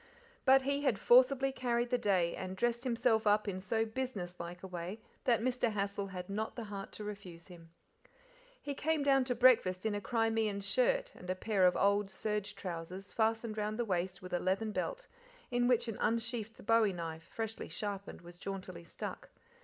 But he had forcibly carried the day, and dressed himself up in so business like a way that Mr. Hassel had not the heart to refuse him. He came down to breakfast in a Crimean shirt and a pair of old, serge trousers fastened round the waist with a leathern belt, in which an unsheathed bowie knife, freshly sharpened, was jauntily stuck.